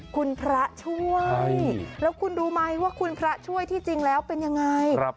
คุณพระช่วยแล้วคุณรู้ไหมว่าคุณพระช่วยที่จริงแล้วเป็นยังไง